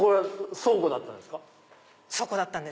倉庫だったんです。